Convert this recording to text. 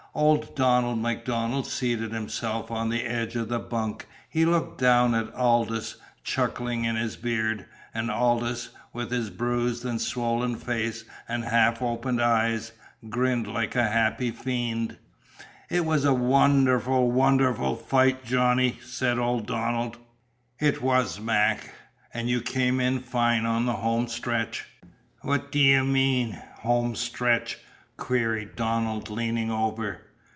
Old Donald MacDonald seated himself on the edge of the bunk. He looked down at Aldous, chuckling in his beard; and Aldous, with his bruised and swollen face and half open eyes, grinned like a happy fiend. "It was a wunerful, wunerful fight, Johnny!" said old Donald. "It was, Mac. And you came in fine on the home stretch!" "What d'ye mean home stretch?" queried Donald leaning over.